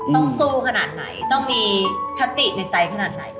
ต้องสู้ขนาดไหนต้องมีคติในใจขนาดไหน